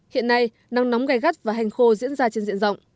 hiện nay nắng nóng gai gắt và hành khô diễn ra trên diện rộng